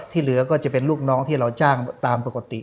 เหลือก็จะเป็นลูกน้องที่เราจ้างตามปกติ